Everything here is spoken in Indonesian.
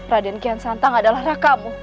raden kian santang adalah rakamu